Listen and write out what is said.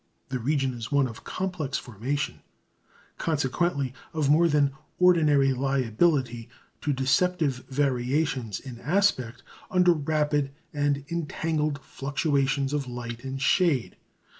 The region is one of complex formation, consequently of more than ordinary liability to deceptive variations in aspect under rapid and entangled fluctuations of light and shade.